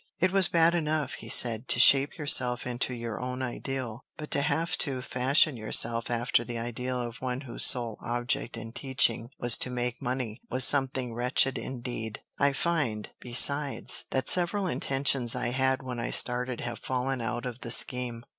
It was bad enough, he said, to shape yourself into your own ideal; but to have to fashion yourself after the ideal of one whose sole object in teaching was to make money, was something wretched indeed. I find, besides, that several intentions I had when I started have fallen out of the scheme.